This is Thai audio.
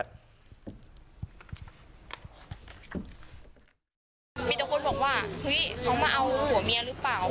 มีตะโกนบอกว่าเฮ้ยเขามาเอาผัวเมียหรือเปล่า